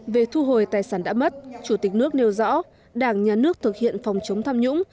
về thu hồi tài sản đã mất chủ tịch nước nêu rõ đảng nhà nước thực hiện phòng chống tham nhũng